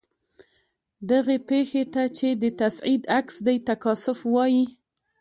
دغې پیښې ته چې د تصعید عکس دی تکاثف وايي.